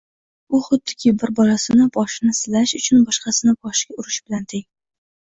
Bu xuddiki bir bolasini boshini silash uchun boshqasini boshiga urish bilan teng.